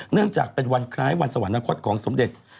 เนื่องจากเป็นวันคล้ายวันสวรรคตของสมเด็จ